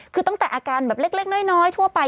คือตั้งแต่อาการแบบเล็กน้อยทั่วไป